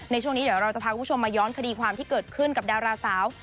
ช่วงนี้เดี๋ยวเราจะพาคุณผู้ชมมาย้อนคดีความที่เกิดขึ้นกับดาราสาว